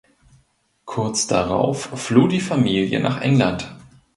Kurz darauf floh die Familie nach England.